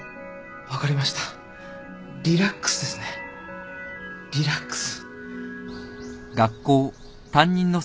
分かりましたリラックスですねリラックス。